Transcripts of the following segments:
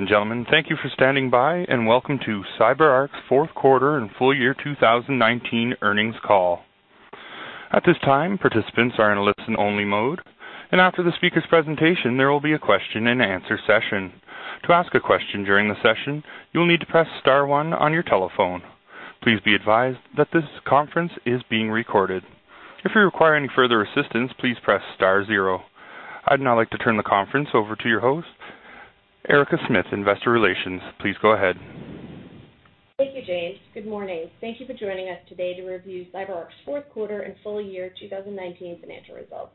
Ladies and gentlemen, thank you for standing by, and welcome to CyberArk's fourth quarter and full year 2019 earnings call. At this time, participants are in a listen-only mode, and after the speaker's presentation, there will be a question and answer session. To ask a question during the session, you will need to press star one on your telephone. Please be advised that this conference is being recorded. If you require any further assistance, please press star zero. I would now like to turn the conference over to your host, Erica Smith, Investor Relations. Please go ahead. Thank you, James. Good morning. Thank you for joining us today to review CyberArk's fourth quarter and full year 2019 financial results.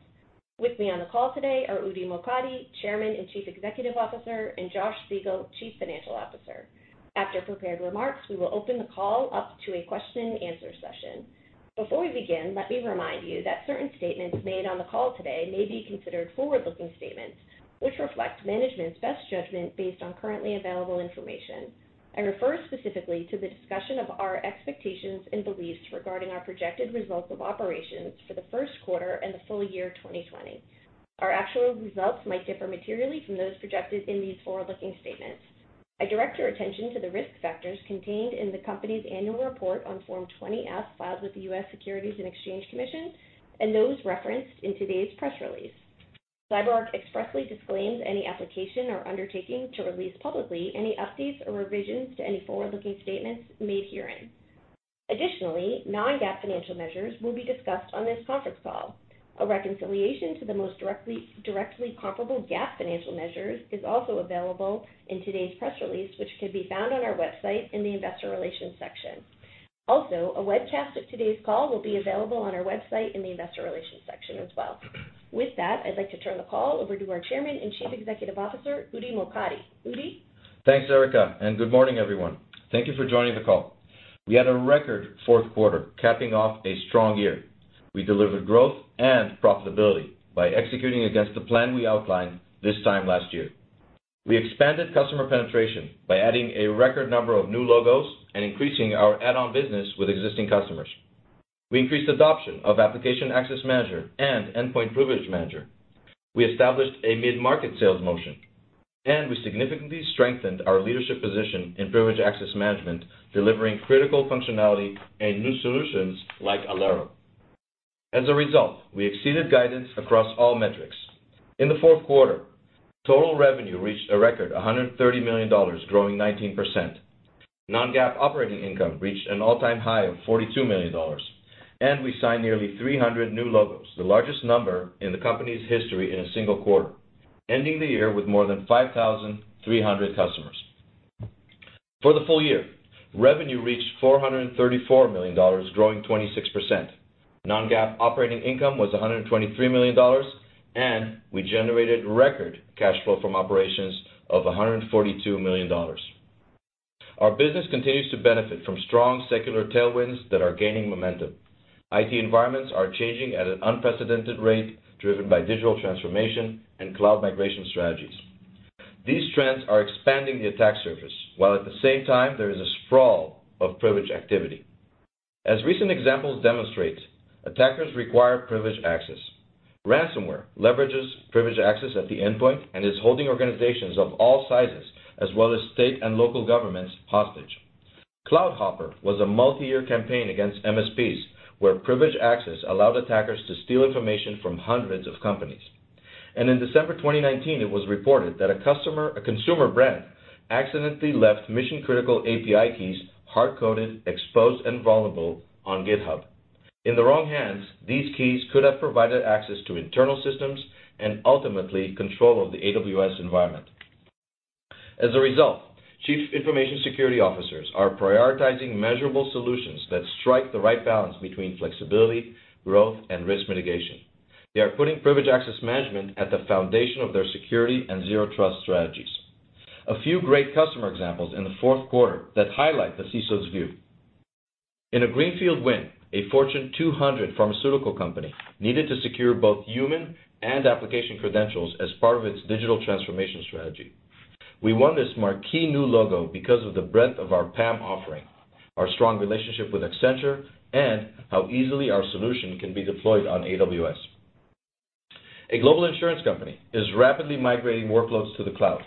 With me on the call today are Udi Mokady, Chairman and Chief Executive Officer, and Josh Siegel, Chief Financial Officer. After prepared remarks, we will open the call up to a question and answer session. Before we begin, let me remind you that certain statements made on the call today may be considered forward-looking statements, which reflect management's best judgment based on currently available information. I refer specifically to the discussion of our expectations and beliefs regarding our projected results of operations for the first quarter and the full year 2020. Our actual results might differ materially from those projected in these forward-looking statements. I direct your attention to the risk factors contained in the company's annual report on Form 20-F filed with the U.S. Securities and Exchange Commission, and those referenced in today's press release. CyberArk expressly disclaims any application or undertaking to release publicly any updates or revisions to any forward-looking statements made herein. Additionally, non-GAAP financial measures will be discussed on this conference call. A reconciliation to the most directly comparable GAAP financial measures is also available in today's press release, which can be found on our website in the investor relations section. Also, a webcast of today's call will be available on our website in the investor relations section as well. With that, I'd like to turn the call over to our Chairman and Chief Executive Officer, Udi Mokady. Udi? Thanks, Erica, and good morning, everyone. Thank you for joining the call. We had a record fourth quarter capping off a strong year. We delivered growth and profitability by executing against the plan we outlined this time last year. We expanded customer penetration by adding a record number of new logos and increasing our add-on business with existing customers. We increased adoption of Application Access Manager and Endpoint Privilege Manager. We established a mid-market sales motion, and we significantly strengthened our leadership position in Privileged Access Management, delivering critical functionality and new solutions like Alero. As a result, we exceeded guidance across all metrics. In the fourth quarter, total revenue reached a record $130 million, growing 19%. Non-GAAP operating income reached an all-time high of $42 million, and we signed nearly 300 new logos, the largest number in the company's history in a single quarter, ending the year with more than 5,300 customers. For the full year, revenue reached $434 million, growing 26%. Non-GAAP operating income was $123 million, and we generated record cash flow from operations of $142 million. Our business continues to benefit from strong secular tailwinds that are gaining momentum. IT environments are changing at an unprecedented rate, driven by digital transformation and cloud migration strategies. These trends are expanding the attack surface, while at the same time there is a sprawl of privileged activity. As recent examples demonstrate, attackers require privileged access. Ransomware leverages privileged access at the endpoint and is holding organizations of all sizes, as well as state and local governments hostage. Cloud Hopper was a multi-year campaign against MSPs, where privileged access allowed attackers to steal information from hundreds of companies. In December 2019, it was reported that a consumer brand accidentally left mission-critical API keys hard-coded, exposed, and vulnerable on GitHub. In the wrong hands, these keys could have provided access to internal systems and ultimately control of the AWS environment. As a result, Chief Information Security Officers are prioritizing measurable solutions that strike the right balance between flexibility, growth, and risk mitigation. They are putting Privileged Access Management at the foundation of their security and Zero Trust strategies. A few great customer examples in the fourth quarter that highlight the CISO's view. In a greenfield win, a Fortune 200 pharmaceutical company needed to secure both human and application credentials as part of its digital transformation strategy. We won this marquee new logo because of the breadth of our PAM offering, our strong relationship with Accenture, and how easily our solution can be deployed on AWS. A global insurance company is rapidly migrating workloads to the cloud.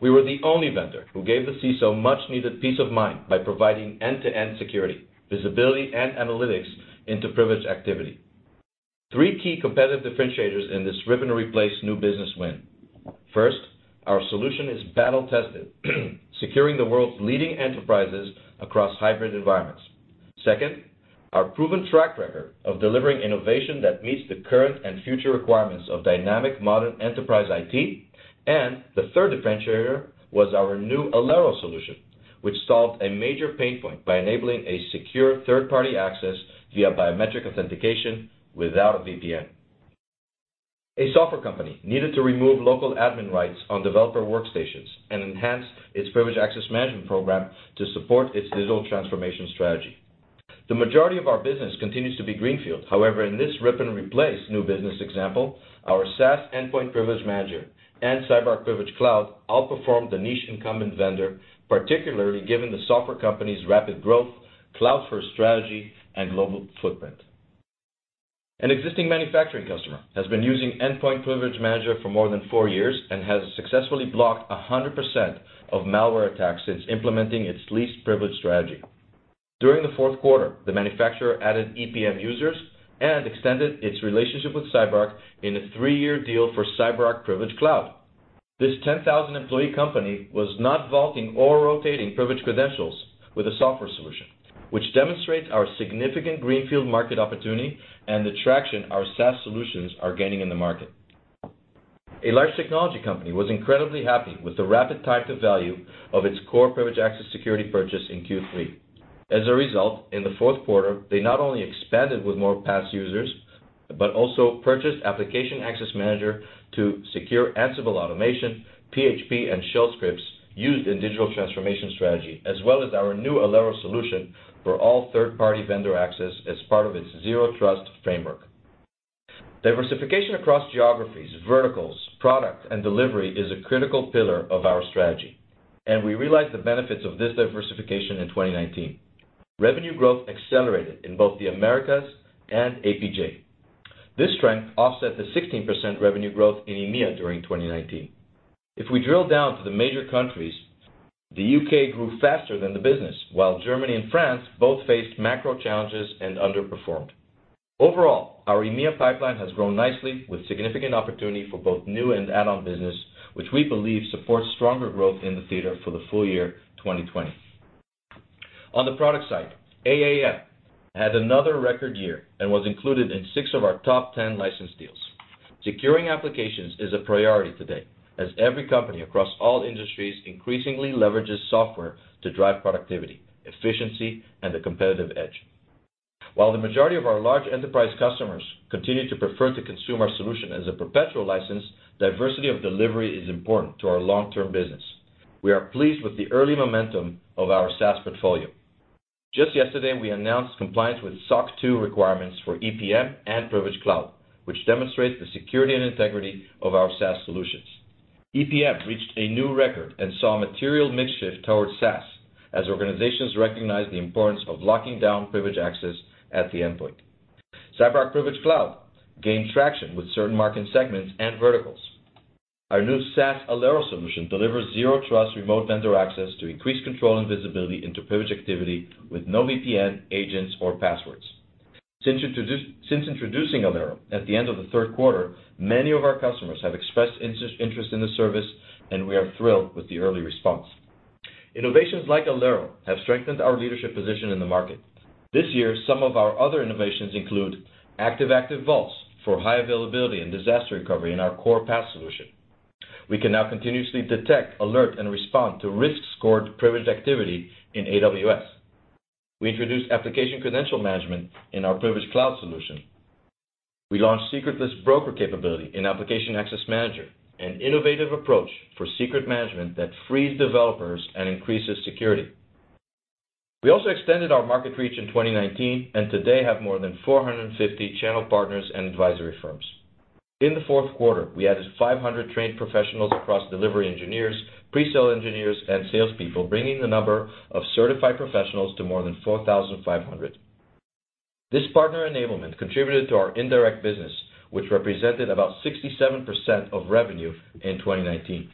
We were the only vendor who gave the CISO much-needed peace of mind by providing end-to-end security, visibility, and analytics into privileged activity. Three key competitive differentiators in this rip-and-replace new business win. First, our solution is battle-tested, securing the world's leading enterprises across hybrid environments. Second, our proven track record of delivering innovation that meets the current and future requirements of dynamic modern enterprise IT. The third differentiator was our new Alero solution, which solved a major pain point by enabling a secure third-party access via biometric authentication without a VPN. A software company needed to remove local admin rights on developer workstations and enhance its privileged access management program to support its digital transformation strategy. The majority of our business continues to be greenfield. In this rip-and-replace new business example, our SaaS Endpoint Privilege Manager and CyberArk Privilege Cloud outperformed the niche incumbent vendor, particularly given the software company's rapid growth, cloud-first strategy, and global footprint. An existing manufacturing customer has been using Endpoint Privilege Manager for more than four years and has successfully blocked 100% of malware attacks since implementing its least privilege strategy. During the fourth quarter, the manufacturer added EPM users and extended its relationship with CyberArk in a three-year deal for CyberArk Privilege Cloud. This 10,000-employee company was not vaulting or rotating privileged credentials with a software solution, which demonstrates our significant greenfield market opportunity and the traction our SaaS solutions are gaining in the market. A large technology company was incredibly happy with the rapid time to value of its core Privileged Access Security purchase in Q3. As a result, in the fourth quarter, they not only expanded with more PAS users, but also purchased Application Access Manager to secure Ansible automation, PHP, and Shell scripts used in digital transformation strategy, as well as our new Alero solution for all third-party vendor access as part of its Zero Trust framework. Diversification across geographies, verticals, product, and delivery is a critical pillar of our strategy. We realized the benefits of this diversification in 2019. Revenue growth accelerated in both the Americas and APJ. This strength offset the 16% revenue growth in EMEA during 2019. If we drill down to the major countries, the U.K. grew faster than the business, while Germany and France both faced macro challenges and underperformed. Overall, our EMEA pipeline has grown nicely with significant opportunity for both new and add-on business, which we believe supports stronger growth in the theater for the full year 2020. On the product side, AAM had another record year and was included in six of our top 10 licensed deals. Securing applications is a priority today as every company across all industries increasingly leverages software to drive productivity, efficiency, and a competitive edge. While the majority of our large enterprise customers continue to prefer to consume our solution as a perpetual license, diversity of delivery is important to our long-term business. We are pleased with the early momentum of our SaaS portfolio. Just yesterday, we announced compliance with SOC 2 requirements for EPM and Privilege Cloud, which demonstrates the security and integrity of our SaaS solutions. EPM reached a new record and saw a material mix shift towards SaaS as organizations recognized the importance of locking down privilege access at the endpoint. CyberArk Privilege Cloud gained traction with certain market segments and verticals. Our new SaaS Alero solution delivers Zero Trust remote vendor access to increase control and visibility into privilege activity with no VPN, agents, or passwords. Since introducing Alero at the end of the third quarter, many of our customers have expressed interest in the service, and we are thrilled with the early response. Innovations like Alero have strengthened our leadership position in the market. This year, some of our other innovations include active-active vaults for high availability and disaster recovery in our core PAS solution. We can now continuously detect, alert, and respond to risk-scored privileged activity in AWS. We introduced application credential management in our Privilege Cloud solution. We launched Secretless Broker capability in Application Access Manager, an innovative approach for secret management that frees developers and increases security. We also extended our market reach in 2019 and today have more than 450 channel partners and advisory firms. In the fourth quarter, we added 500 trained professionals across delivery engineers, pre-sale engineers, and salespeople, bringing the number of certified professionals to more than 4,500. This partner enablement contributed to our indirect business, which represented about 67% of revenue in 2019.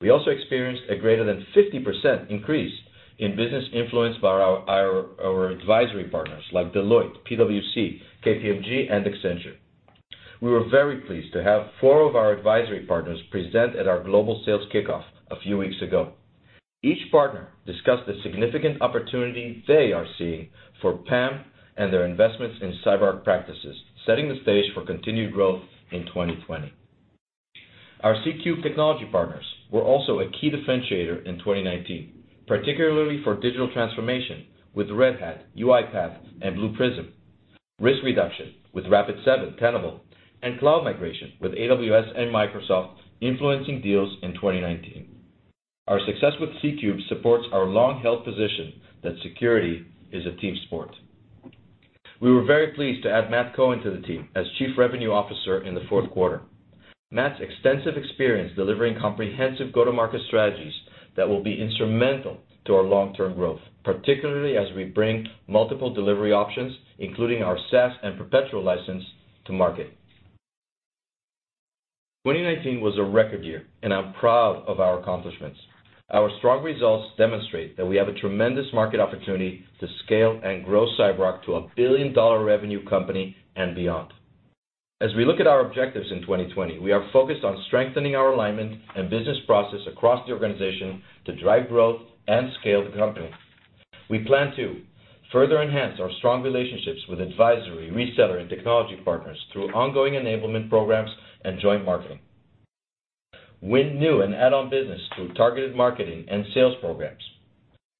We also experienced a greater than 50% increase in business influenced by our advisory partners like Deloitte, PwC, KPMG, and Accenture. We were very pleased to have four of our advisory partners present at our global sales kickoff a few weeks ago. Each partner discussed the significant opportunity they are seeing for PAM and their investments in CyberArk practices, setting the stage for continued growth in 2020. Our C Cube technology partners were also a key differentiator in 2019, particularly for digital transformation with Red Hat, UiPath, and Blue Prism, risk reduction with Rapid7, Tenable, and cloud migration with AWS and Microsoft influencing deals in 2019. Our success with C Cube supports our long-held position that security is a team sport. We were very pleased to add Matt Cohen to the team as Chief Revenue Officer in the fourth quarter. Matt's extensive experience delivering comprehensive go-to-market strategies that will be instrumental to our long-term growth, particularly as we bring multiple delivery options, including our SaaS and perpetual license to market. 2019 was a record year, and I'm proud of our accomplishments. Our strong results demonstrate that we have a tremendous market opportunity to scale and grow CyberArk to a billion-dollar revenue company and beyond. As we look at our objectives in 2020, we are focused on strengthening our alignment and business process across the organization to drive growth and scale the company. We plan to further enhance our strong relationships with advisory, reseller, and technology partners through ongoing enablement programs and joint marketing, win new and add-on business through targeted marketing and sales programs,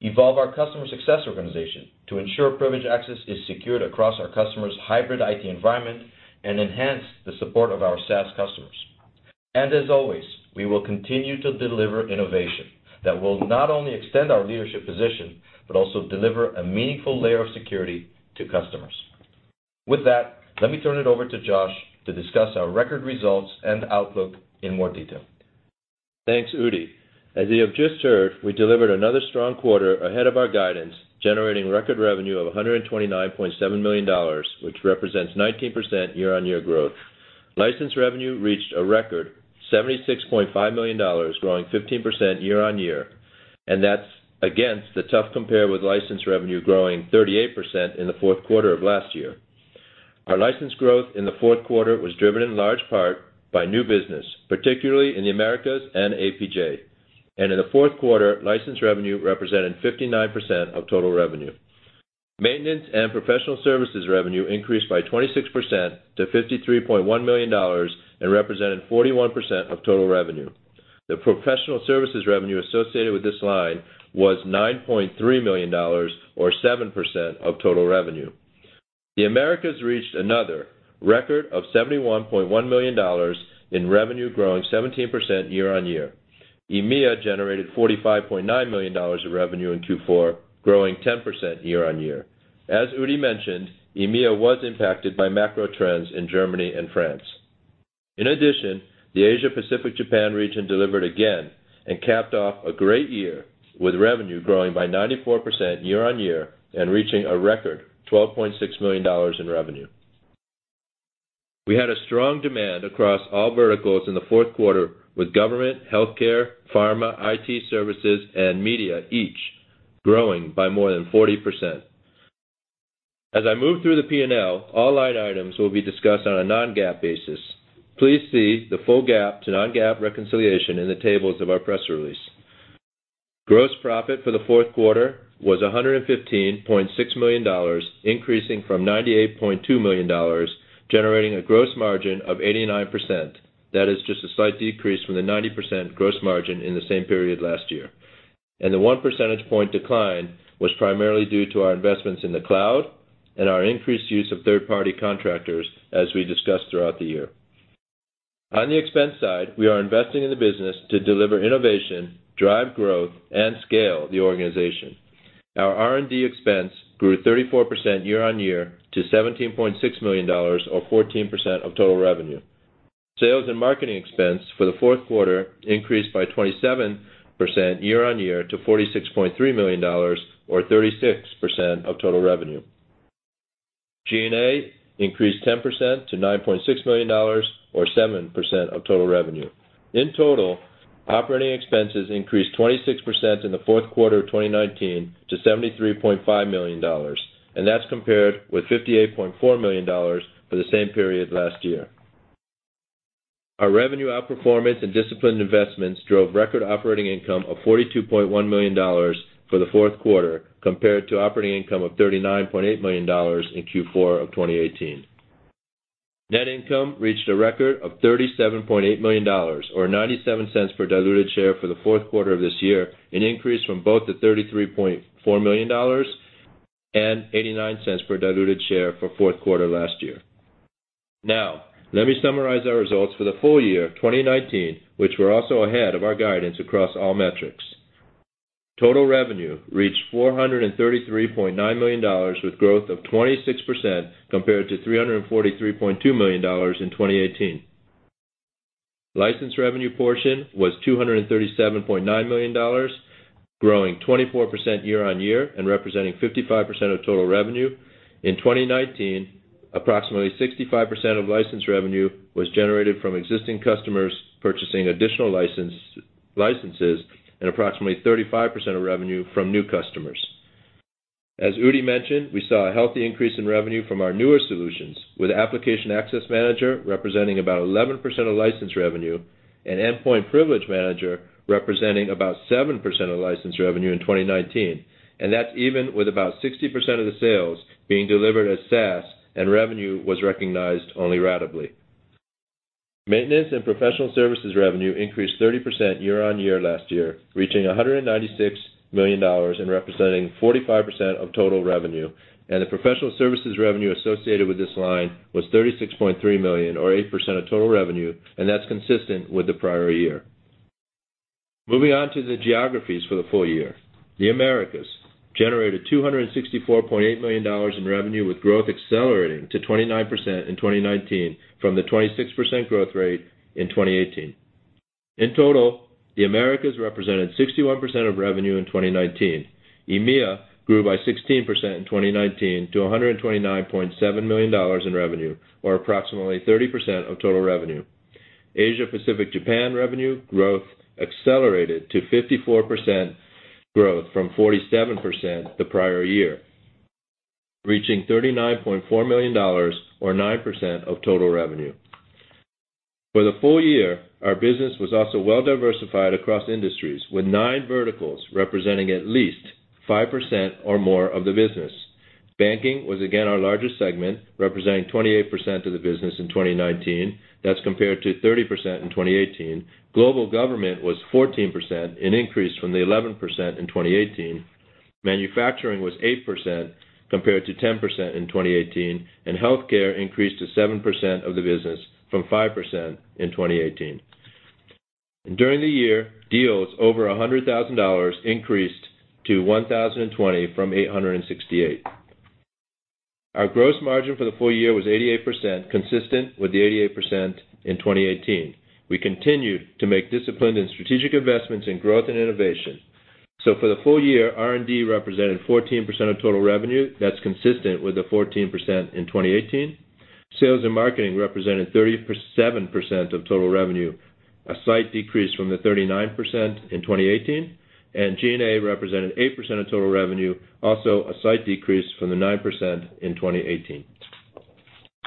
evolve our customer success organization to ensure privilege access is secured across our customers' hybrid IT environment, and enhance the support of our SaaS customers. As always, we will continue to deliver innovation that will not only extend our leadership position, but also deliver a meaningful layer of security to customers. With that, let me turn it over to Josh to discuss our record results and outlook in more detail. Thanks, Udi. As you have just heard, we delivered another strong quarter ahead of our guidance, generating record revenue of $129.7 million, which represents 19% year-on-year growth. License revenue reached a record $76.5 million, growing 15% year-on-year. That's against the tough compare with license revenue growing 38% in the fourth quarter of last year. Our license growth in the fourth quarter was driven in large part by new business, particularly in the Americas and APJ. In the fourth quarter, license revenue represented 59% of total revenue. Maintenance and professional services revenue increased by 26% to $53.1 million and represented 41% of total revenue. The professional services revenue associated with this line was $9.3 million, or 7% of total revenue. The Americas reached another record of $71.1 million in revenue, growing 17% year-on-year. EMEA generated $45.9 million of revenue in Q4, growing 10% year-on-year. As Udi mentioned, EMEA was impacted by macro trends in Germany and France. In addition, the Asia-Pacific Japan region delivered again and capped off a great year with revenue growing by 94% year-on-year and reaching a record $12.6 million in revenue. We had a strong demand across all verticals in the fourth quarter with government, healthcare, pharma, IT services, and media each growing by more than 40%. As I move through the P&L, all line items will be discussed on a non-GAAP basis. Please see the full GAAP to non-GAAP reconciliation in the tables of our press release. Gross profit for the fourth quarter was $115.6 million, increasing from $98.2 million, generating a gross margin of 89%. That is just a slight decrease from the 90% gross margin in the same period last year. The one percentage point decline was primarily due to our investments in the cloud and our increased use of third-party contractors, as we discussed throughout the year. On the expense side, we are investing in the business to deliver innovation, drive growth, and scale the organization. Our R&D expense grew 34% year-on-year to $17.6 million or 14% of total revenue. Sales and marketing expense for the fourth quarter increased by 27% year-on-year to $46.3 million or 36% of total revenue. G&A increased 10% to $9.6 million or 7% of total revenue. In total, operating expenses increased 26% in the fourth quarter of 2019 to $73.5 million, and that's compared with $58.4 million for the same period last year. Our revenue outperformance and disciplined investments drove record operating income of $42.1 million for the fourth quarter compared to operating income of $39.8 million in Q4 of 2018. Net income reached a record of $37.8 million or $0.97 per diluted share for the fourth quarter of this year, an increase from both the $33.4 million and $0.89 per diluted share for fourth quarter last year. Now, let me summarize our results for the full year of 2019, which were also ahead of our guidance across all metrics. Total revenue reached $433.9 million with growth of 26% compared to $343.2 million in 2018. License revenue portion was $237.9 million, growing 24% year-on-year and representing 55% of total revenue. In 2019, approximately 65% of license revenue was generated from existing customers purchasing additional licenses and approximately 35% of revenue from new customers. As Udi mentioned, we saw a healthy increase in revenue from our newer solutions with Application Access Manager representing about 11% of license revenue and Endpoint Privilege Manager representing about 7% of license revenue in 2019, and that's even with about 60% of the sales being delivered as SaaS and revenue was recognized only ratably. Maintenance and professional services revenue increased 30% year-on-year last year, reaching $196 million and representing 45% of total revenue. The professional services revenue associated with this line was $36.3 million, or 8% of total revenue, and that's consistent with the prior year. Moving on to the geographies for the full year. The Americas generated $264.8 million in revenue, with growth accelerating to 29% in 2019 from the 26% growth rate in 2018. In total, the Americas represented 61% of revenue in 2019. EMEA grew by 16% in 2019 to $129.7 million in revenue, or approximately 30% of total revenue. Asia-Pacific Japan revenue growth accelerated to 54% growth from 47% the prior year, reaching $39.4 million or 9% of total revenue. For the full year, our business was also well diversified across industries, with nine verticals representing at least 5% or more of the business. Banking was again our largest segment, representing 28% of the business in 2019. That's compared to 30% in 2018. Global government was 14%, an increase from the 11% in 2018. Manufacturing was 8% compared to 10% in 2018. Healthcare increased to 7% of the business from 5% in 2018. During the year, deals over $100,000 increased to 1,020 from 868. Our gross margin for the full year was 88%, consistent with the 88% in 2018. We continue to make disciplined and strategic investments in growth and innovation. For the full year, R&D represented 14% of total revenue. That's consistent with the 14% in 2018. Sales and marketing represented 37% of total revenue, a slight decrease from the 39% in 2018, and G&A represented 8% of total revenue, also a slight decrease from the 9% in 2018,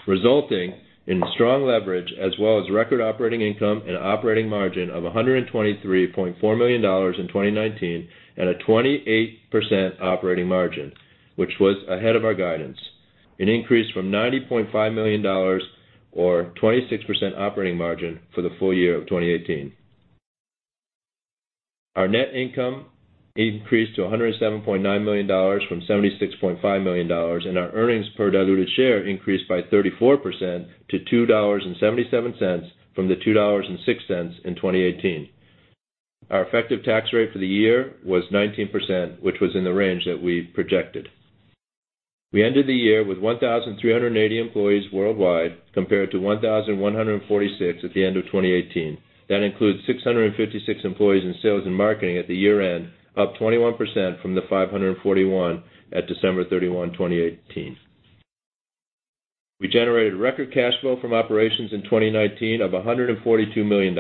resulting in strong leverage, as well as record operating income and operating margin of $123.4 million in 2019, and a 28% operating margin, which was ahead of our guidance, an increase from $90.5 million, or 26% operating margin for the full year of 2018. Our net income increased to $107.9 million from $76.5 million, and our earnings per diluted share increased by 34% to $2.77 from the $2.06 in 2018. Our effective tax rate for the year was 19%, which was in the range that we projected. We ended the year with 1,380 employees worldwide, compared to 1,146 at the end of 2018. That includes 656 employees in sales and marketing at the year-end, up 21% from the 541 at December 31, 2018. We generated record cash flow from operations in 2019 of $142 million,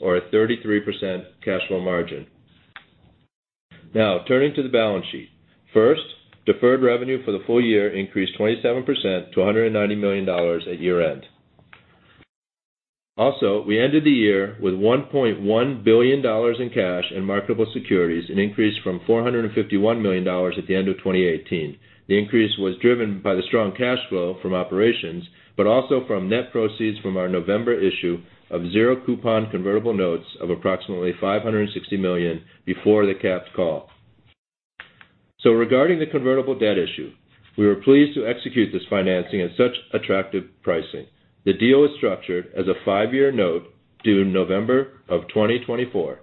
or a 33% cash flow margin. Turning to the balance sheet. First, deferred revenue for the full year increased 27% to $190 million at year-end. Also, we ended the year with $1.1 billion in cash and marketable securities, an increase from $451 million at the end of 2018. The increase was driven by the strong cash flow from operations, but also from net proceeds from our November issue of zero coupon convertible notes of approximately $560 million, before the capped call. Regarding the convertible debt issue, we were pleased to execute this financing at such attractive pricing. The deal was structured as a five-year note, due November 2024.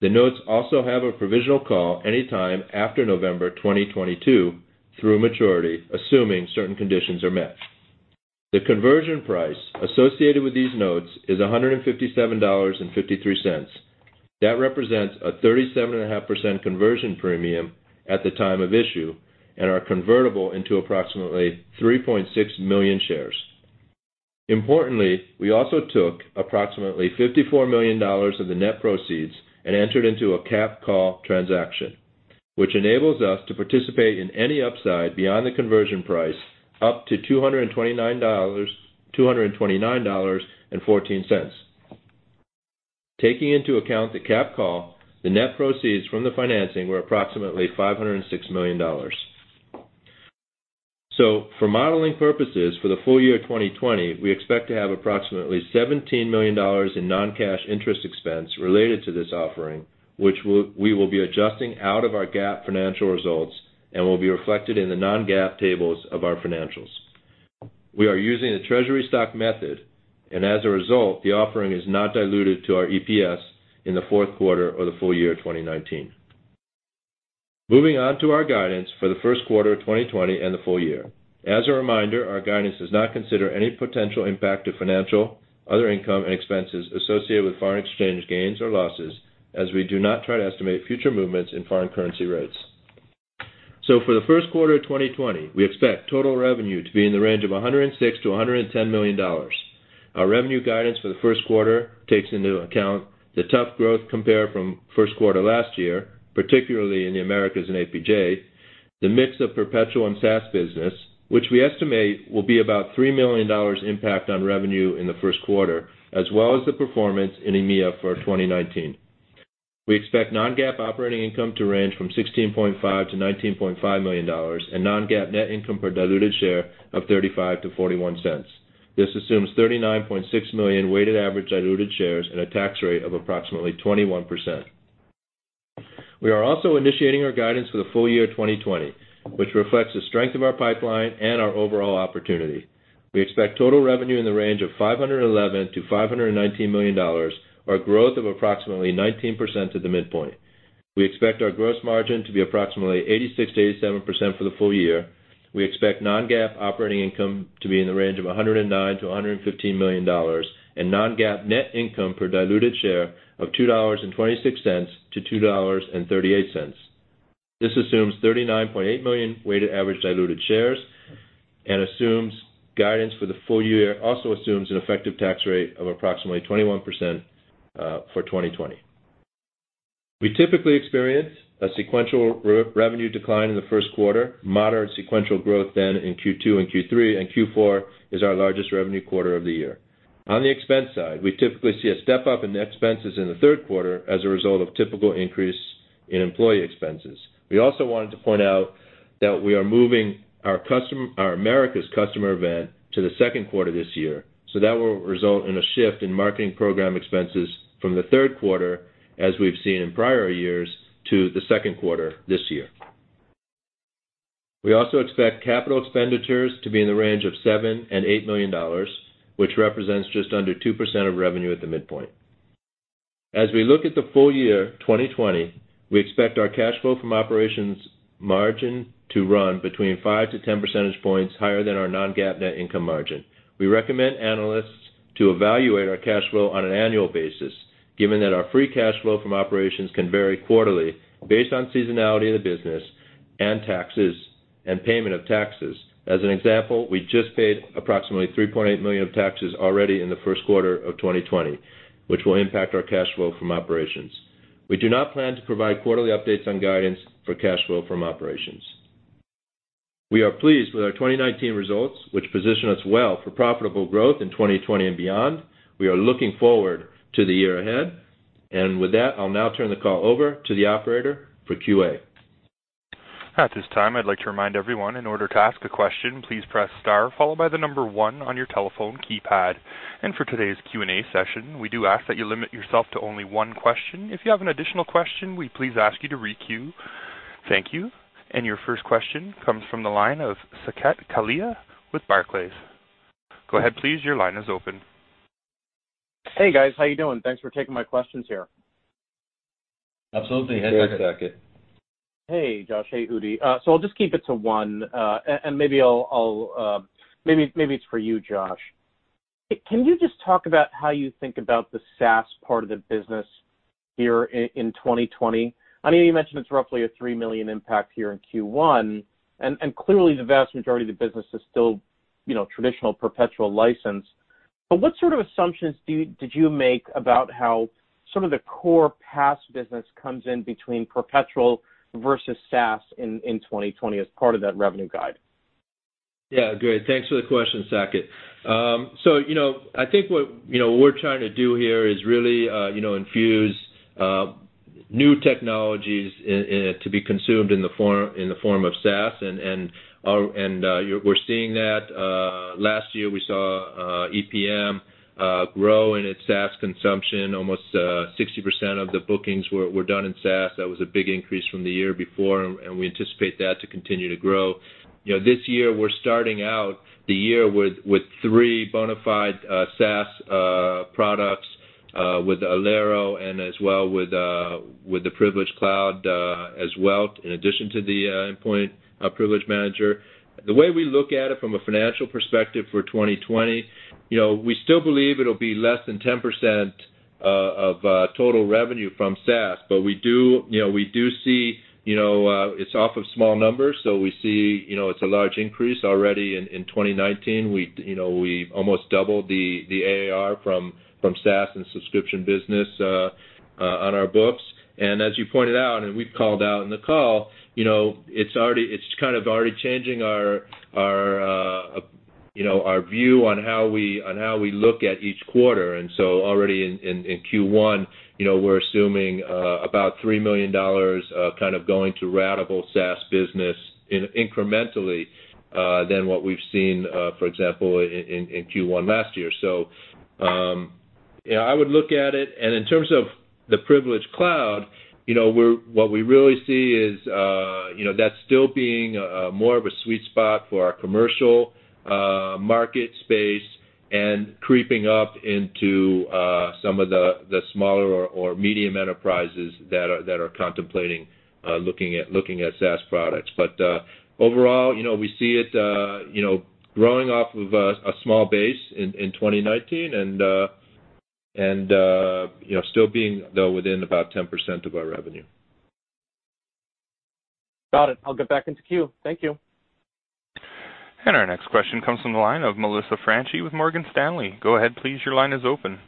The notes also have a provisional call any time after November 2022 through maturity, assuming certain conditions are met. The conversion price associated with these notes is $157.53. That represents a 37.5% conversion premium at the time of issue, are convertible into approximately 3.6 million shares. Importantly, we also took approximately $54 million of the net proceeds and entered into a capped call transaction, which enables us to participate in any upside beyond the conversion price, up to $229.14. Taking into account the capped call, the net proceeds from the financing were approximately $506 million. For modeling purposes for the full year 2020, we expect to have approximately $17 million in non-cash interest expense related to this offering, which we will be adjusting out of our GAAP financial results and will be reflected in the non-GAAP tables of our financials. We are using the treasury stock method, and as a result, the offering is not diluted to our EPS in the fourth quarter or the full year 2019. Moving on to our guidance for the first quarter of 2020 and the full year. As a reminder, our guidance does not consider any potential impact to financial, other income, and expenses associated with foreign exchange gains or losses, as we do not try to estimate future movements in foreign currency rates. For the first quarter of 2020, we expect total revenue to be in the range of $106 million-$110 million. Our revenue guidance for the first quarter takes into account the tough growth compare from first quarter last year, particularly in the Americas and APJ, the mix of perpetual and SaaS business, which we estimate will be about $3 million impact on revenue in the first quarter, as well as the performance in EMEA for 2019. We expect non-GAAP operating income to range from $16.5 million to $19.5 million, and non-GAAP net income per diluted share of $0.35-$0.41. This assumes 39.6 million weighted average diluted shares and a tax rate of approximately 21%. We are also initiating our guidance for the full year 2020, which reflects the strength of our pipeline and our overall opportunity. We expect total revenue in the range of $511 million-$519 million, or a growth of approximately 19% at the midpoint. We expect our gross margin to be approximately 86%-87% for the full year. We expect non-GAAP operating income to be in the range of $109 million-$115 million, and non-GAAP net income per diluted share of $2.26-$2.38. This assumes 39.8 million weighted average diluted shares and assumes guidance for the full year, also assumes an effective tax rate of approximately 21% for 2020. We typically experience a sequential revenue decline in the first quarter, moderate sequential growth then in Q2 and Q3, and Q4 is our largest revenue quarter of the year. On the expense side, we typically see a step up in expenses in the third quarter as a result of typical increase in employee expenses. We also wanted to point out that we are moving our Americas customer event to the second quarter this year. That will result in a shift in marketing program expenses from the third quarter, as we've seen in prior years, to the second quarter this year. We also expect capital expenditures to be in the range of $7 million and $8 million, which represents just under 2% of revenue at the midpoint. We look at the full year 2020, we expect our cash flow from operations margin to run between 5-10 percentage points higher than our non-GAAP net income margin. We recommend analysts to evaluate our cash flow on an annual basis, given that our free cash flow from operations can vary quarterly based on seasonality of the business and payment of taxes. As an example, we just paid approximately $3.8 million of taxes already in the first quarter of 2020, which will impact our cash flow from operations. We do not plan to provide quarterly updates on guidance for cash flow from operations. We are pleased with our 2019 results, which position us well for profitable growth in 2020 and beyond. We are looking forward to the year ahead. With that, I'll now turn the call over to the operator for Q&A. At this time, I'd like to remind everyone, in order to ask a question, please press star followed by the number one on your telephone keypad. For today's Q&A session, we do ask that you limit yourself to only one question. If you have an additional question, we please ask you to re-queue. Thank you. Your first question comes from the line of Saket Kalia with Barclays. Go ahead please, your line is open. Hey, guys. How you doing? Thanks for taking my questions here. Absolutely. Hey, Saket. Hey, Saket. Hey, Josh. Hey, Udi. I'll just keep it to one, and maybe it's for you, Josh. Can you just talk about how you think about the SaaS part of the business here in 2020? I know you mentioned it's roughly a $3 million impact here in Q1, and clearly the vast majority of the business is still traditional perpetual license. What sort of assumptions did you make about how some of the core PAM business comes in between perpetual versus SaaS in 2020 as part of that revenue guide? Yeah. Good. Thanks for the question, Saket. I think what we're trying to do here is really infuse new technologies to be consumed in the form of SaaS, and we're seeing that. Last year, we saw EPM grow in its SaaS consumption. Almost 60% of the bookings were done in SaaS. That was a big increase from the year before, and we anticipate that to continue to grow. This year, we're starting out the year with three bona fide SaaS products with Alero, and as well with the Privilege Cloud, as well, in addition to the Endpoint Privilege Manager. The way we look at it from a financial perspective for 2020, we still believe it'll be less than 10% of total revenue from SaaS. We do see it's off of small numbers, so we see it's a large increase already in 2019. We almost doubled the ARR from SaaS and subscription business on our books. As you pointed out, and we've called out in the call, it's kind of already changing our view on how we look at each quarter. Already in Q1, we're assuming about $3 million kind of going to ratable SaaS business incrementally than what we've seen, for example, in Q1 last year. In terms of the Privilege Cloud, what we really see is that still being more of a sweet spot for our commercial market space and creeping up into some of the smaller or medium enterprises that are contemplating looking at SaaS products. Overall, we see it growing off of a small base in 2019 and still being, though, within about 10% of our revenue. Got it. I'll get back into queue. Thank you. Our next question comes from the line of Melissa Franchi with Morgan Stanley. Go ahead please, your line is open.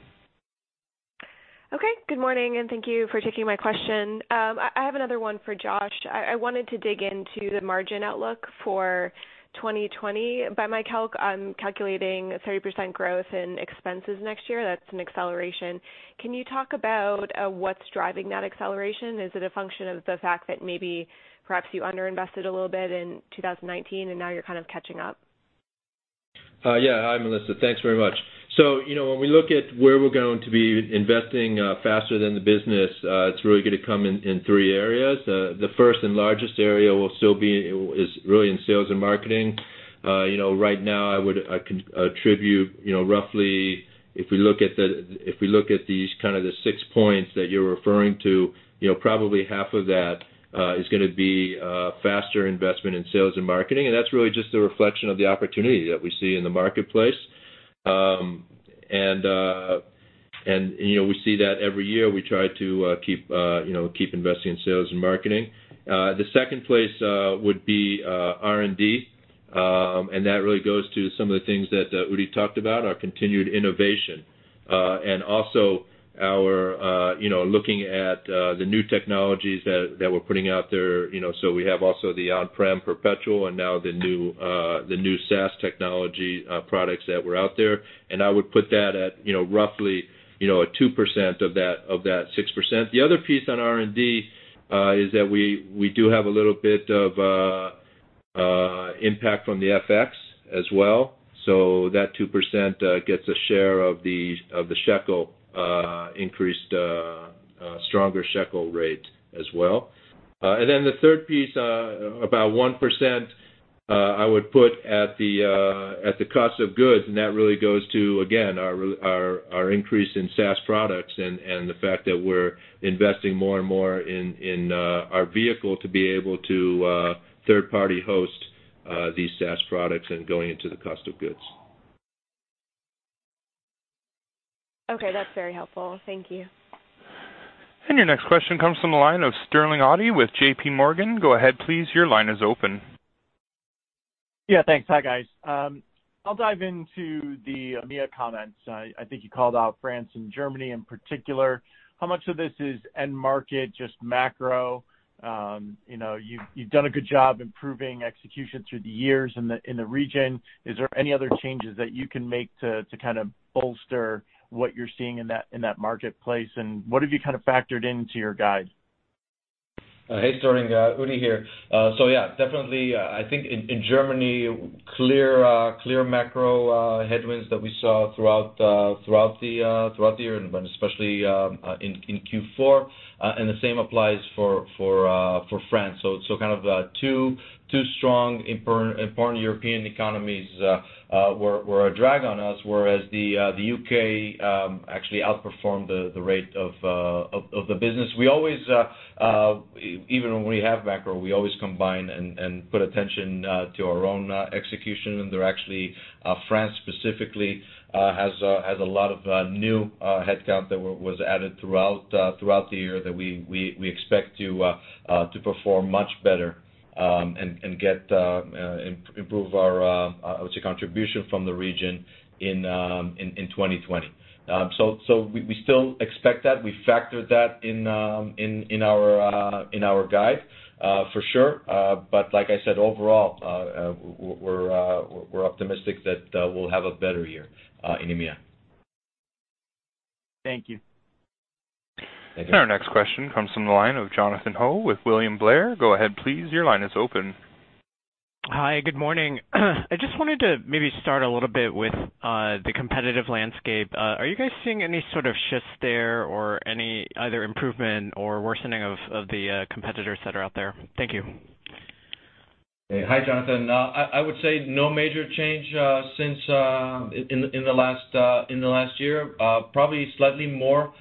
Okay. Good morning, and thank you for taking my question. I have another one for Josh. I wanted to dig into the margin outlook for 2020. By my calc, I'm calculating 30% growth in expenses next year. That's an acceleration. Can you talk about what's driving that acceleration? Is it a function of the fact that maybe perhaps you under-invested a little bit in 2019 and now you're kind of catching up? Yeah. Hi, Melissa. Thanks very much. When we look at where we're going to be investing faster than the business, it's really going to come in three areas. The first and largest area is really in sales and marketing. Right now, I can attribute roughly, if we look at these kind of the six points that you're referring to, probably half of that is going to be faster investment in sales and marketing, and that's really just a reflection of the opportunity that we see in the marketplace. We see that every year. We try to keep investing in sales and marketing. The second place would be R&D, and that really goes to some of the things that Udi talked about, our continued innovation. Also looking at the new technologies that we're putting out there, we have also the on-prem perpetual and now the new SaaS technology products that were out there, and I would put that at roughly 2% of that 6%. The other piece on R&D, is that we do have a little bit of impact from the FX as well. That 2% gets a share of the shekel increased, stronger shekel rate as well. The third piece, about 1% I would put at the cost of goods, and that really goes to, again, our increase in SaaS products and the fact that we're investing more and more in our vehicle to be able to third-party host these SaaS products and going into the cost of goods. Okay. That's very helpful. Thank you. Your next question comes from the line of Sterling Auty with JPMorgan. Go ahead, please. Your line is open. Yeah, thanks. Hi, guys. I'll dive into the EMEA comments. I think you called out France and Germany in particular. How much of this is end market, just macro? You've done a good job improving execution through the years in the region. Is there any other changes that you can make to kind of bolster what you're seeing in that marketplace? What have you kind of factored into your guide? Hey, Sterling. Udi here. Yeah, definitely, I think in Germany, clear macro headwinds that we saw throughout the year but especially in Q4. The same applies for France. Kind of two strong important European economies were a drag on us, whereas the U.K. actually outperformed the rate of the business. Even when we have macro, we always combine and put attention to our own execution. There actually, France specifically, has a lot of new headcount that was added throughout the year that we expect to perform much better and improve our contribution from the region in 2020. We still expect that. We factored that in our guide for sure. Like I said, overall, we're optimistic that we'll have a better year in EMEA. Thank you. Thank you. Our next question comes from the line of Jonathan Ho with William Blair. Go ahead, please. Your line is open. Hi. Good morning. I just wanted to maybe start a little bit with the competitive landscape. Are you guys seeing any sort of shifts there or any either improvement or worsening of the competitors that are out there? Thank you. Hey. Hi, Jonathan. I would say no major change since in the last year. Probably slightly more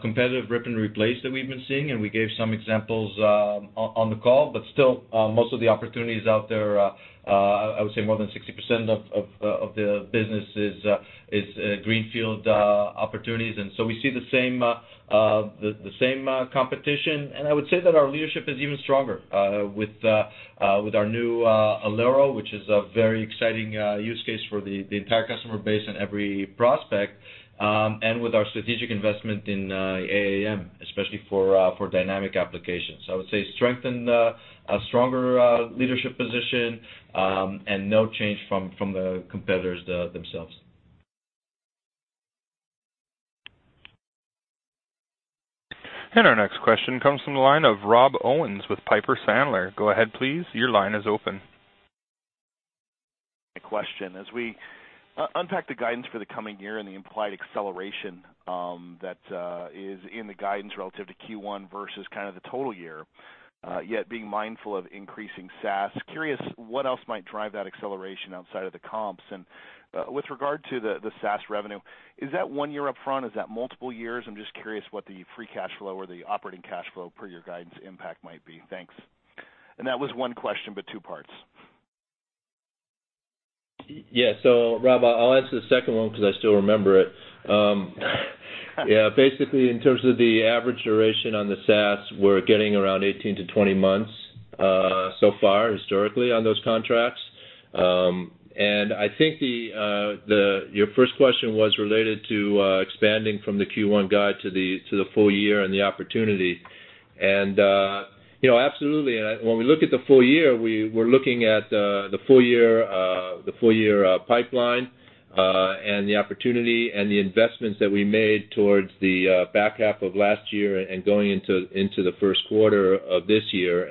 competitive rip-and-replace that we've been seeing, and we gave some examples on the call. Still, most of the opportunities out there, I would say more than 60% of the business is greenfield opportunities. We see the same competition. I would say that our leadership is even stronger with our new Alero, which is a very exciting use case for the entire customer base and every prospect, and with our strategic investment in AAM, especially for dynamic applications. I would say strengthened, a stronger leadership position, and no change from the competitors themselves. Our next question comes from the line of Rob Owens with Piper Sandler. Go ahead, please. Your line is open. My question, as we unpack the guidance for the coming year and the implied acceleration that is in the guidance relative to Q1 versus kind of the total year, yet being mindful of increasing SaaS, curious what else might drive that acceleration outside of the comps? With regard to the SaaS revenue, is that one year upfront? Is that multiple years? I am just curious what the free cash flow or the operating cash flow per your guidance impact might be. Thanks. That was one question, but two parts. Rob, I'll answer the second one because I still remember it. Basically, in terms of the average duration on the SaaS, we're getting around 18-20 months so far historically on those contracts. I think your first question was related to expanding from the Q1 guide to the full year and the opportunity. Absolutely. When we look at the full year, we're looking at the full year pipeline and the opportunity and the investments that we made towards the back half of last year and going into the first quarter of this year.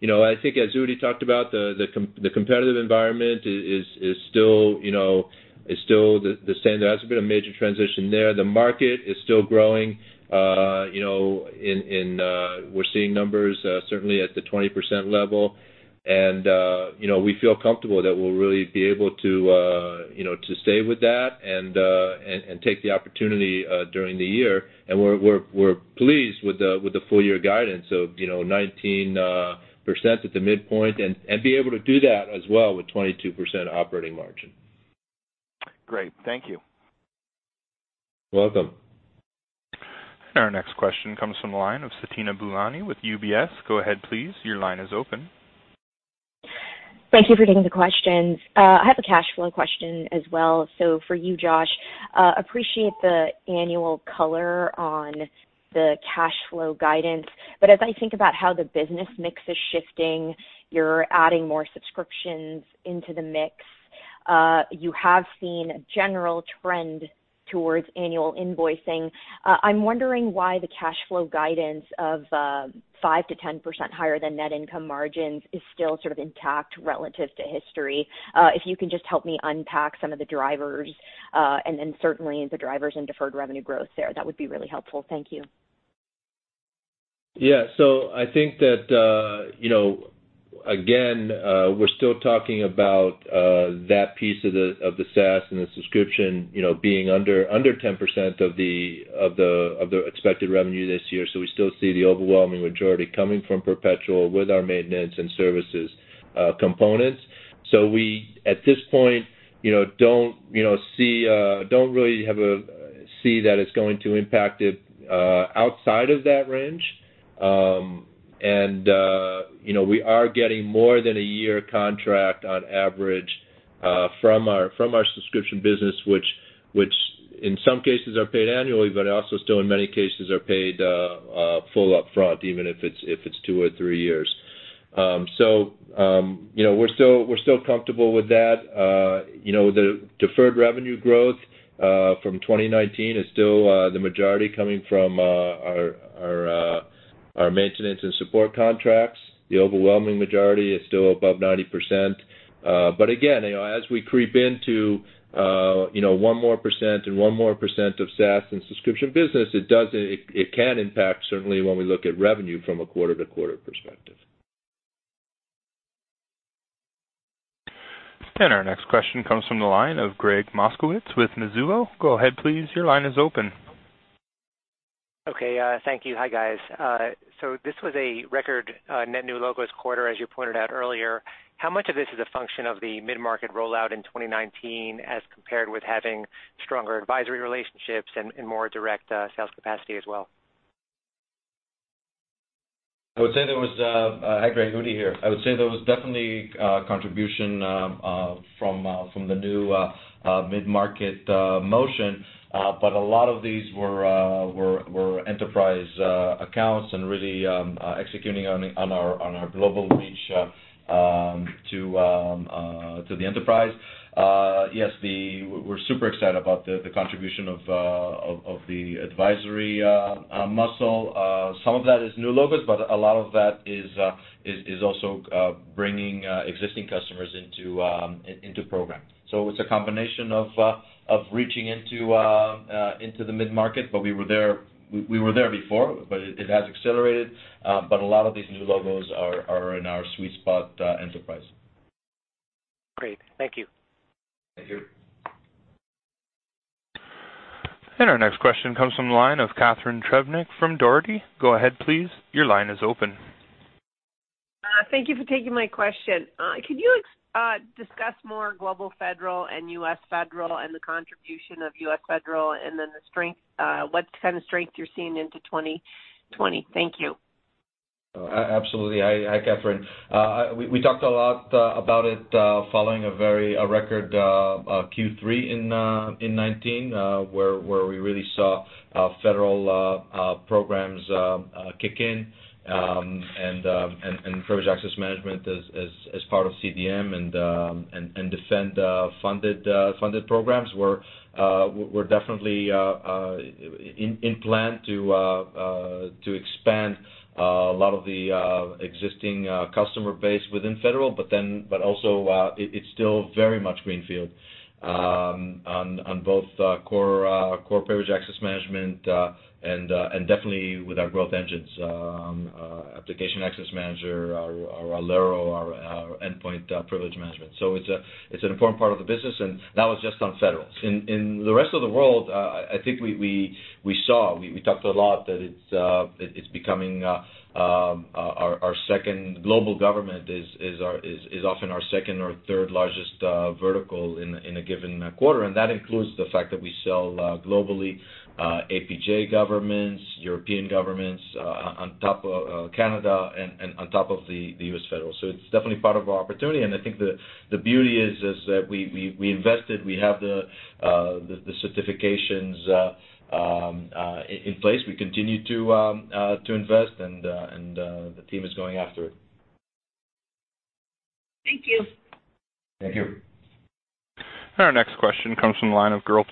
I think as Udi talked about, the competitive environment is still the same. There hasn't been a major transition there. The market is still growing. We're seeing numbers certainly at the 20% level. We feel comfortable that we'll really be able to stay with that and take the opportunity during the year. We're pleased with the full-year guidance of 19% at the midpoint and be able to do that as well with 22% operating margin. Great. Thank you. You're welcome. Our next question comes from the line of Fatima Boolani with UBS. Go ahead, please. Your line is open. Thank you for taking the questions. I have a cash flow question as well. For you, Josh, appreciate the annual color on the cash flow guidance. As I think about how the business mix is shifting, you're adding more subscriptions into the mix. You have seen a general trend towards annual invoicing. I'm wondering why the cash flow guidance of 5%-10% higher than net income margins is still sort of intact relative to history. If you can just help me unpack some of the drivers, and then certainly the drivers in deferred revenue growth there, that would be really helpful. Thank you. Yeah. I think that, again, we're still talking about that piece of the SaaS and the subscription being under 10% of the expected revenue this year. We still see the overwhelming majority coming from perpetual with our maintenance and services components. We, at this point, don't really see that it's going to impact it outside of that range. We are getting more than a year contract on average from our subscription business which in some cases are paid annually, but also still in many cases are paid full upfront, even if it's two or three years. We're still comfortable with that. The deferred revenue growth from 2019 is still the majority coming from our maintenance and support contracts. The overwhelming majority is still above 90%. Again, as we creep into 1% and 1% of SaaS and subscription business, it can impact certainly when we look at revenue from a quarter-to-quarter perspective. Our next question comes from the line of Gregg Moskowitz with Mizuho. Go ahead, please. Your line is open. Okay. Thank you. Hi, guys. This was a record net new logos quarter, as you pointed out earlier. How much of this is a function of the mid-market rollout in 2019 as compared with having stronger advisory relationships and more direct sales capacity as well? Hi, Gregg. Udi here. I would say there was definitely contribution from the new mid-market motion. A lot of these were enterprise accounts and really executing on our global reach to the enterprise. Yes, we're super excited about the contribution of the advisory muscle. Some of that is new logos, but a lot of that is also bringing existing customers into program. It's a combination of reaching into the mid-market, but we were there before. It has accelerated, but a lot of these new logos are in our sweet spot enterprise. Great. Thank you. Thank you. Our next question comes from the line of Catharine Trebnick from Dougherty. Go ahead, please. Your line is open. Thank you for taking my question. Can you discuss more global federal and U.S. federal, and the contribution of U.S. federal, and then what kind of strength you're seeing into 2020? Thank you. Absolutely. Hi, Catharine. We talked a lot about it following a record Q3 in 2019 where we really saw federal programs kick in, and Privileged Access Management as part of CDM and defend funded programs were definitely in plan to expand a lot of the existing customer base within federal. Also it's still very much green field on both core Privileged Access Management, and definitely with our growth engines, Application Access Manager, our Alero, our Endpoint Privilege Manager. It's an important part of the business, and that was just on federal. In the rest of the world, I think we saw, we talked a lot that it's becoming our second global government is often our second or third largest vertical in a given quarter, and that includes the fact that we sell globally, APJ governments, European governments, on top of Canada, and on top of the U.S. federal. It's definitely part of our opportunity, and I think the beauty is that we invested, we have the certifications in place. We continue to invest, and the team is going after it. Thank you. Thank you. Our next question comes from the line of Gur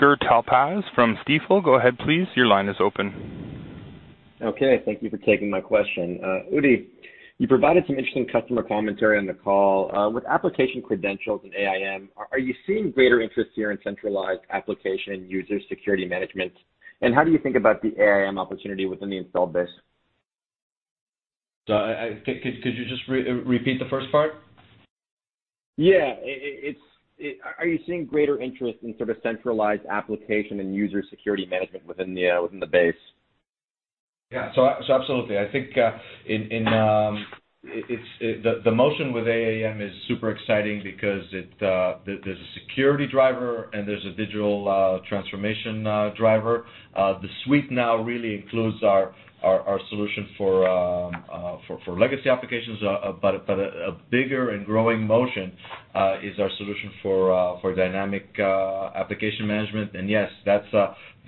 Talpaz from Stifel. Go ahead, please. Your line is open. Okay, thank you for taking my question. Udi, you provided some interesting customer commentary on the call. With application credentials and AIM, are you seeing greater interest here in centralized application user security management? How do you think about the AIM opportunity within the installed base? Could you just repeat the first part? Yeah. Are you seeing greater interest in sort of centralized application and user security management within the base? Yeah. Absolutely. I think the motion with AAM is super exciting because there's a security driver and there's a digital transformation driver. A bigger and growing motion is our solution for legacy applications. Yes, that's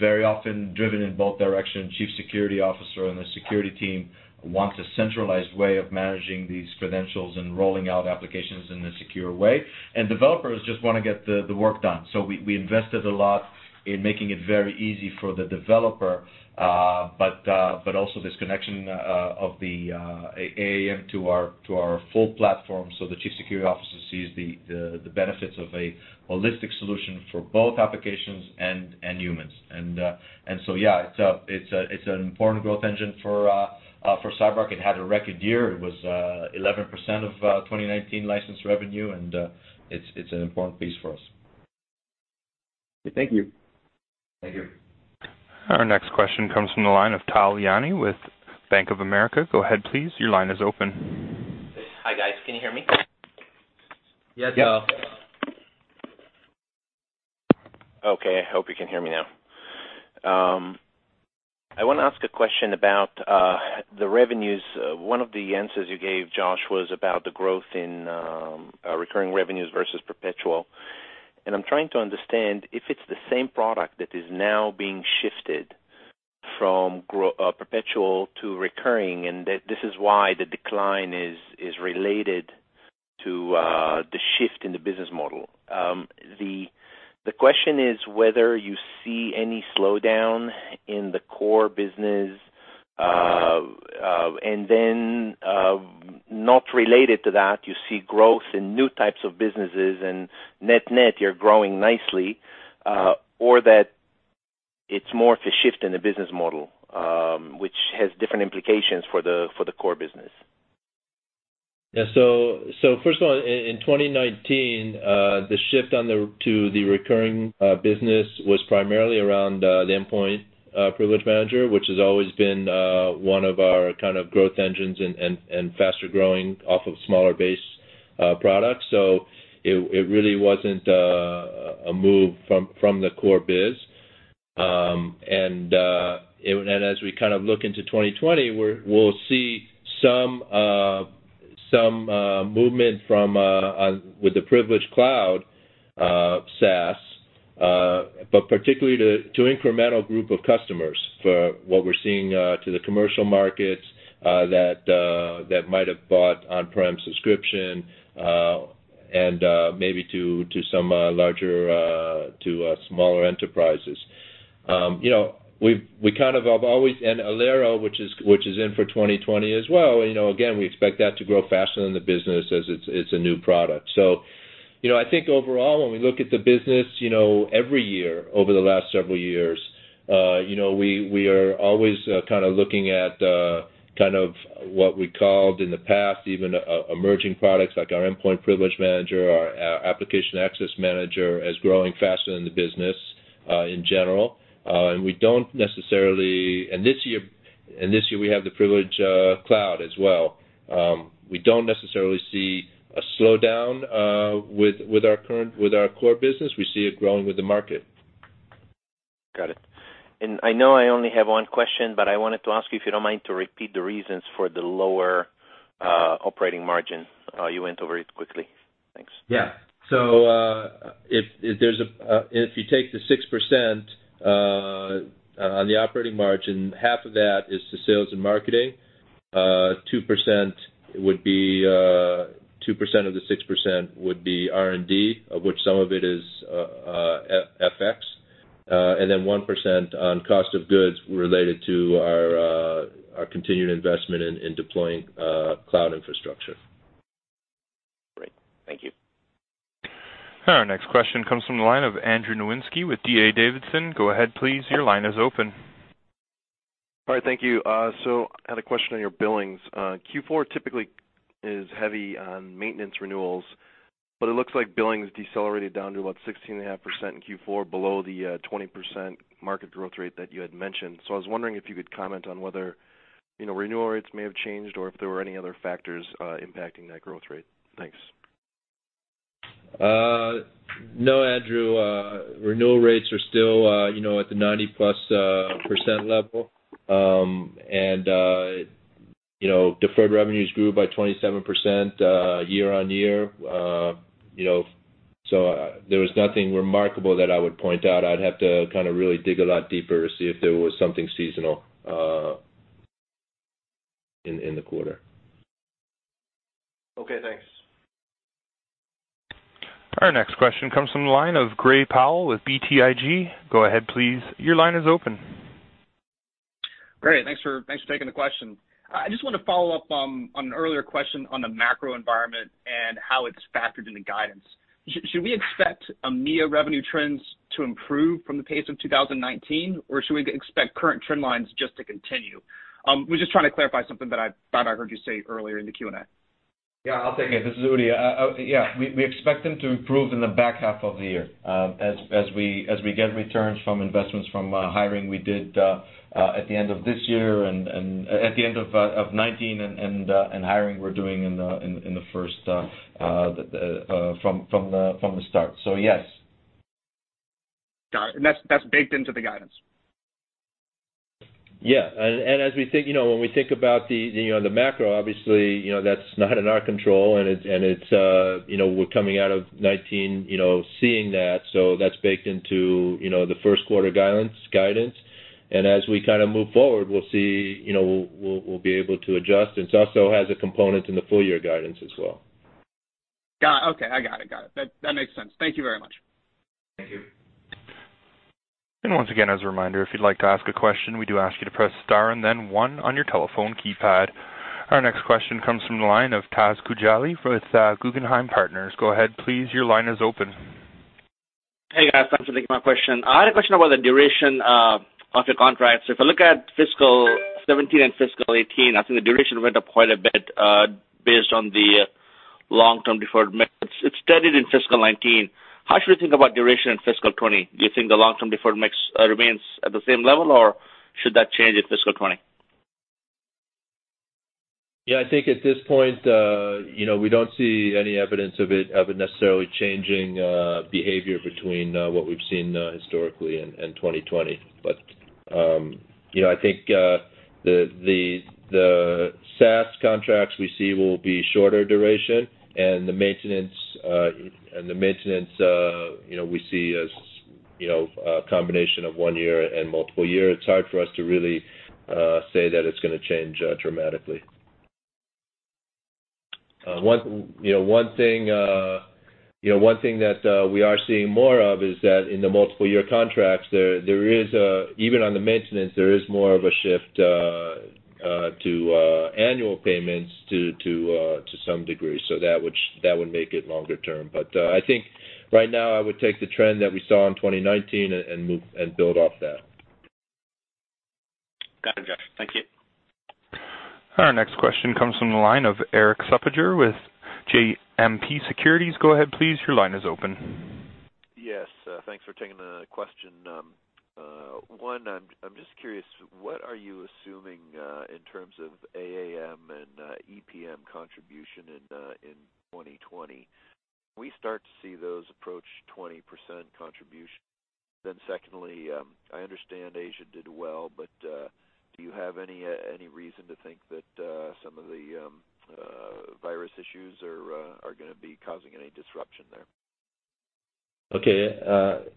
very often driven in both directions. Chief Security Officer and the security team want a centralized way of managing these credentials and rolling out applications in a secure way. Developers just want to get the work done. We invested a lot in making it very easy for the developer. Also this connection. Of the AAM to our full platform the chief security officer sees the benefits of a holistic solution for both applications and humans. Yeah, it's an important growth engine for CyberArk. It had a record year. It was 11% of 2019 licensed revenue, and it's an important piece for us. Thank you. Thank you. Our next question comes from the line of Tal Liani with Bank of America. Go ahead, please. Your line is open. Hi, guys. Can you hear me? Yes. Yeah. Okay, I hope you can hear me now. I want to ask a question about the revenues. One of the answers you gave, Josh, was about the growth in recurring revenues versus perpetual, and I'm trying to understand if it's the same product that is now being shifted from perpetual to recurring, and that this is why the decline is related to the shift in the business model. The question is whether you see any slowdown in the core business, and then not related to that, you see growth in new types of businesses and net-net, you're growing nicely, or that it's more of a shift in the business model, which has different implications for the core business? First of all, in 2019, the shift to the recurring business was primarily around the Endpoint Privilege Manager, which has always been one of our growth engines and faster-growing off of smaller base products. It really wasn't a move from the core biz. As we look into 2020, we'll see some movement with the Privilege Cloud, SaaS, but particularly to incremental group of customers for what we're seeing to the commercial markets that might have bought on-prem subscription, and maybe to smaller enterprises. Alero, which is in for 2020 as well, again, we expect that to grow faster than the business as it's a new product. I think overall, when we look at the business every year over the last several years, we are always looking at what we called in the past even emerging products like our Endpoint Privilege Manager, our Application Access Manager, as growing faster than the business in general. This year we have the Privilege Cloud as well. We don't necessarily see a slowdown with our core business. We see it growing with the market. Got it. I know I only have one question, but I wanted to ask you, if you don't mind, to repeat the reasons for the lower operating margin. You went over it quickly. Thanks. If you take the 6% on the operating margin, half of that is to sales and marketing. 2% of the 6% would be R&D, of which some of it is FX. 1% on cost of goods related to our continued investment in deploying cloud infrastructure. Great. Thank you. Our next question comes from the line of Andrew Nowinski with D.A. Davidson. Go ahead, please. Your line is open. All right. Thank you. I had a question on your billings. Q4 typically is heavy on maintenance renewals, but it looks like billings decelerated down to about 16.5% in Q4, below the 20% market growth rate that you had mentioned. I was wondering if you could comment on whether renewal rates may have changed or if there were any other factors impacting that growth rate. Thanks. No, Andrew. Renewal rates are still at the 90%+ level. Deferred revenues grew by 27% year-over-year. There was nothing remarkable that I would point out. I'd have to really dig a lot deeper to see if there was something seasonal in the quarter. Okay, thanks. Our next question comes from the line of Gray Powell with BTIG. Go ahead, please. Your line is open. Great. Thanks for taking the question. I just want to follow up on an earlier question on the macro environment and how it's factored in the guidance. Should we expect EMEA revenue trends to improve from the pace of 2019, or should we expect current trend lines just to continue? Was just trying to clarify something that I thought I heard you say earlier in the Q&A. Yeah, I'll take it. This is Udi. Yeah. We expect them to improve in the back half of the year. As we get returns from investments from hiring we did at the end of 2019 and hiring we're doing from the start. Yes. Got it. That's baked into the guidance? Yeah. As when we think about the macro, obviously, that's not in our control. We're coming out of 2019 seeing that, so that's baked into the first quarter guidance. As we move forward, we'll be able to adjust. It also has a component in the full-year guidance as well. Got it. Okay. I got it. That makes sense. Thank you very much. Thank you. Once again, as a reminder, if you'd like to ask a question, we do ask you to press star and then one on your telephone keypad. Our next question comes from the line of Taz Koujalgi with Guggenheim Partners. Go ahead, please. Your line is open. Hey, guys. Thanks for taking my question. I had a question about the duration of your contracts. If I look at fiscal 2017 and fiscal 2018, I think the duration went up quite a bit, based on the long-term deferred mix. It's steady in fiscal 2019. How should we think about duration in fiscal 2020? Do you think the long-term deferred mix remains at the same level, or should that change in fiscal 2020? Yeah, I think at this point, we don't see any evidence of it necessarily changing behavior between what we've seen historically and 2020. I think the SaaS contracts we see will be shorter duration, and the maintenance, we see as a combination of one year and multiple year. It's hard for us to really say that it's going to change dramatically. One thing that we are seeing more of is that in the multiple year contracts, even on the maintenance, there is more of a shift to annual payments to some degree. That would make it longer term. I think right now, I would take the trend that we saw in 2019 and build off that. Got it, Josh. Thank you. Our next question comes from the line of Erik Suppiger with JMP Securities. Go ahead, please. Your line is open. Yes. Thanks for taking the question. I'm just curious, what are you assuming in terms of AAM and EPM contribution in 2020? We start to see those approach 20% contribution. Secondly, I understand Asia did well, but do you have any reason to think that some of the virus issues are going to be causing any disruption there? Okay.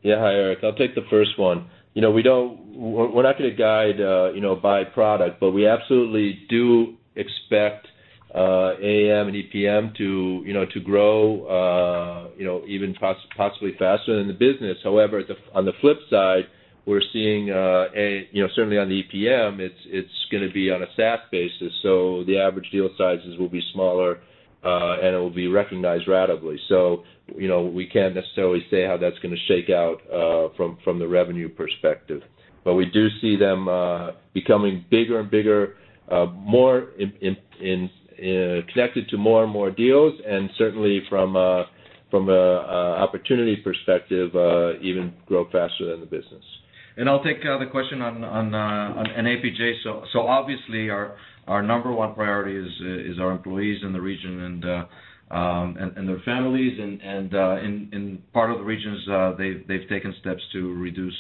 Yeah. Hi, Erik. I'll take the first one. We're not going to guide by product, but we absolutely do expect AAM and EPM to grow, even possibly faster than the business. However, on the flip side, we're seeing, certainly on the EPM, it's going to be on a staff basis, so the average deal sizes will be smaller, and it will be recognized ratably. We can't necessarily say how that's going to shake out from the revenue perspective. We do see them becoming bigger and bigger, connected to more and more deals, and certainly from an opportunity perspective, even grow faster than the business. I'll take the question on APJ. Obviously, our number one priority is our employees in the region and their families. In part of the regions, they've taken steps to reduce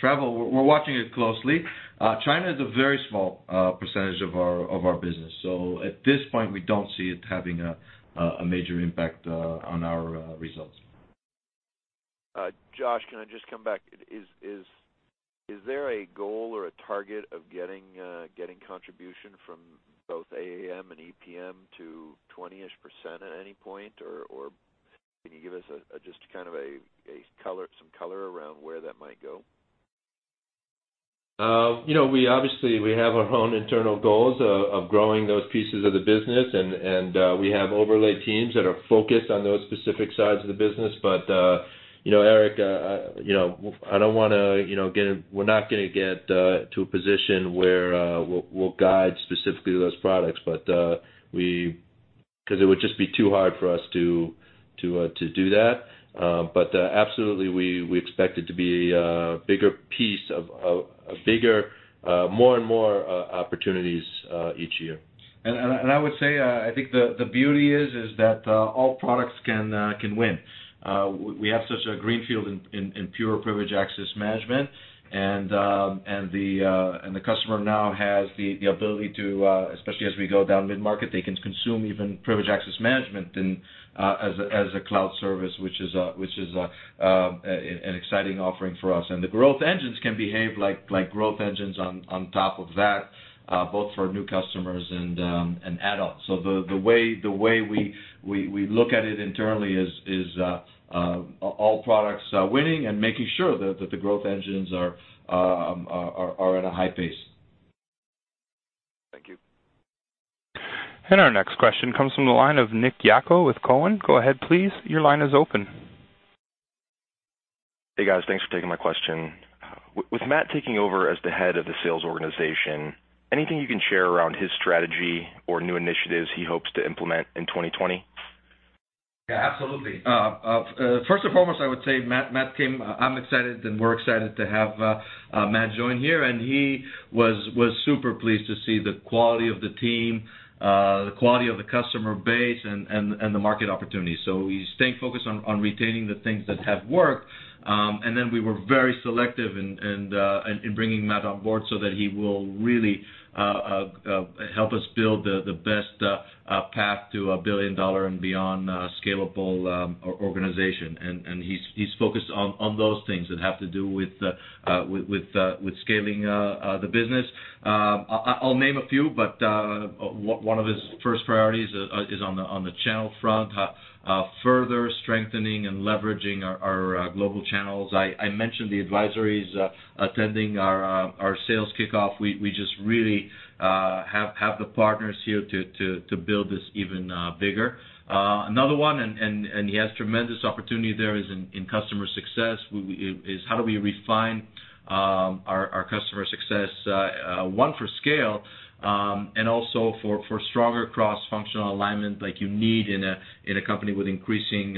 travel. We're watching it closely. China is a very small percentage of our business. At this point, we don't see it having a major impact on our results. Josh, can I just come back? Is there a goal or a target of getting contribution from both AAM and EPM to 20-ish% at any point, or can you give us just some color around where that might go? We obviously have our own internal goals of growing those pieces of the business, and we have overlay teams that are focused on those specific sides of the business. Erik, we're not going to get to a position where we'll guide specifically to those products, because it would just be too hard for us to do that. Absolutely, we expect it to be a bigger piece, more and more opportunities each year. I would say, I think the beauty is that all products can win. We have such a green field in pure privileged access management, and the customer now has the ability to, especially as we go down mid-market, they can consume even privileged access management as a cloud service, which is an exciting offering for us. The growth engines can behave like growth engines on top of that, both for new customers and add-ons. The way we look at it internally is all products are winning and making sure that the growth engines are at a high pace. Thank you. Our next question comes from the line of Nick Yako with Cowen. Go ahead, please. Your line is open. Hey, guys. Thanks for taking my question. With Matt taking over as the head of the sales organization, anything you can share around his strategy or new initiatives he hopes to implement in 2020? Absolutely. First and foremost, I would say Matt came. I'm excited, and we're excited to have Matt join here, and he was super pleased to see the quality of the team, the quality of the customer base, and the market opportunity. Then we were very selective in bringing Matt on board so that he will really help us build the best path to a billion-dollar and beyond scalable organization. He's focused on those things that have to do with scaling the business. I'll name a few, but one of his first priorities is on the channel front, further strengthening and leveraging our global channels. I mentioned the advisories attending our sales kickoff. We just really have the partners here to build this even bigger. Another one, he has tremendous opportunity there, is in customer success, is how do we refine our customer success, one, for scale, and also for stronger cross-functional alignment like you need in a company with increasing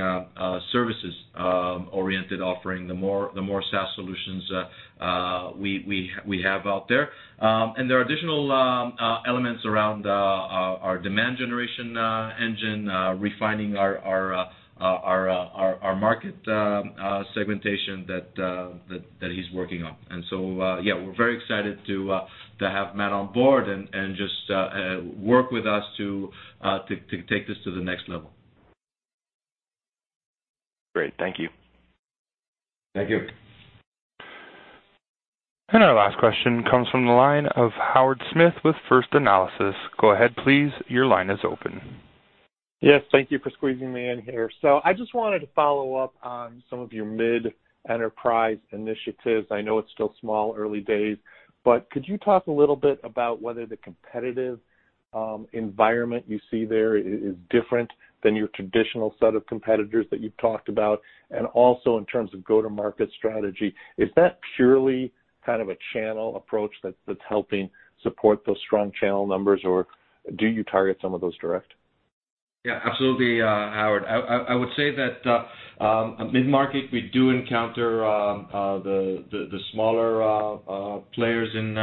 services-oriented offering, the more SaaS solutions we have out there. There are additional elements around our demand generation engine, refining our market segmentation that he's working on. Yeah, we're very excited to have Matt on board and just work with us to take this to the next level. Great. Thank you. Thank you. Our last question comes from the line of Howard Smith with First Analysis. Go ahead please, your line is open. Yes. Thank you for squeezing me in here. I just wanted to follow up on some of your mid-enterprise initiatives. I know it's still small, early days. Could you talk a little bit about whether the competitive environment you see there is different than your traditional set of competitors that you've talked about? Also in terms of go-to-market strategy, is that purely a channel approach that's helping support those strong channel numbers, or do you target some of those direct? Yeah, absolutely, Howard. I would say that mid-market, we do encounter the smaller players in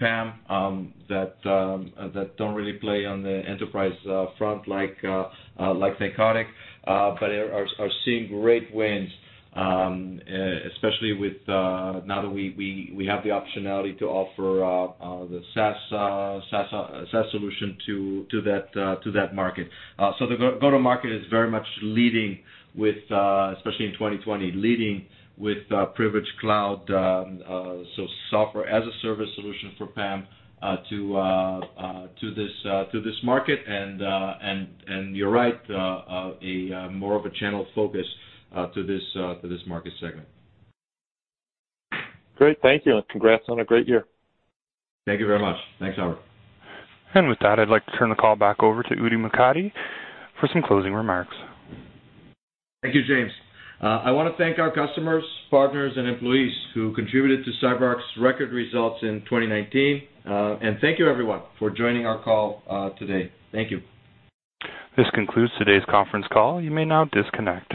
PAM that don't really play on the enterprise front like Thycotic, but are seeing great wins, especially now that we have the optionality to offer the SaaS solution to that market. The go-to-market is very much leading with, especially in 2020, leading with Privilege Cloud, so software as a service solution for PAM to this market. You're right, more of a channel focus to this market segment. Great. Thank you, and congrats on a great year. Thank you very much. Thanks, Howard. With that, I'd like to turn the call back over to Udi Mokady for some closing remarks. Thank you, James. I want to thank our customers, partners, and employees who contributed to CyberArk's record results in 2019. Thank you everyone for joining our call today. Thank you. This concludes today's conference call. You may now disconnect.